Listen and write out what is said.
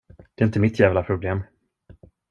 Det är inte mitt jävla problem.